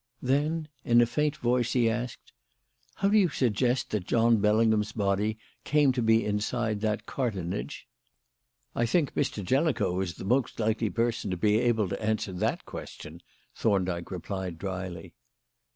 Then, in a faint voice, he asked: "How do you suggest that John Bellingham's body came to be inside that cartonnage?" "I think Mr. Jellicoe is the most likely person to be able to answer that question," Thorndyke replied drily.